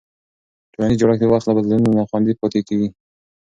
ټولنیز جوړښت د وخت له بدلونونو نه خوندي پاتې کېږي.